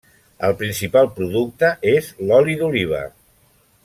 El principal producte és l'oli d'oliva.